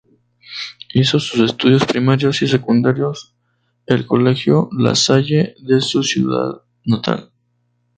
Hizo sus estudios primarios y secundarios el colegio La Salle de su ciudad natal.